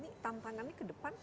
ini tantangannya ke depan